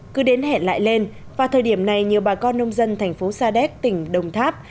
cứ đến hẹn lại lên và thời điểm này nhiều bà con nông dân thành phố sa đéc tỉnh đồng tháp